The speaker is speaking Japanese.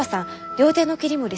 料亭の切り盛り